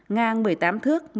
ngang một mươi tám thước